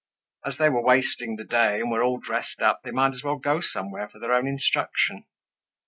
As they were wasting the day, and were all dressed up, they might as well go somewhere for their own instruction.